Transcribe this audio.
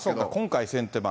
今回、先手番。